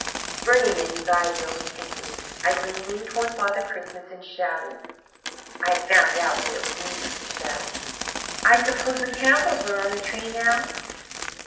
"Burning anxiety overcame me. I leaned toward Father Christmas, and shouted I had found out that it was needful to shout "'I suppose the candles are on the tree now?'